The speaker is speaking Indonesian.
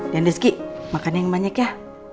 den rizky makan yang banyak ya